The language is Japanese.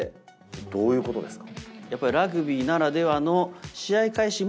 どういうことですか？